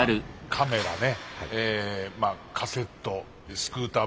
カメラねカセットスクーターバイク